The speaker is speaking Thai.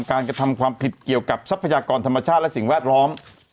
กระทำความผิดเกี่ยวกับทรัพยากรธรรมชาติและสิ่งแวดล้อม